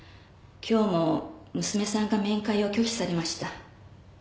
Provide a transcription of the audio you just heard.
今日も娘さんが面会を拒否されました。